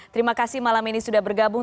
terima kasih malam ini sudah bergabung